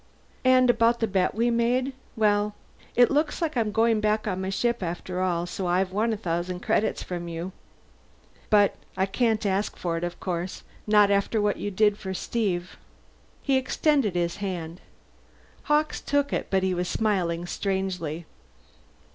And about the bet we made well, it looks like I'm going back on my ship after all, so I've won a thousand credits from you. But I can't ask for it, of course. Not after what you did for Steve." He extended his hand. Hawkes took it, but he was smiling strangely.